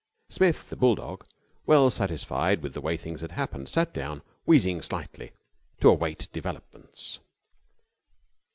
Smith, the bulldog, well satisfied with the way things had happened, sat down, wheezing slightly, to await developments.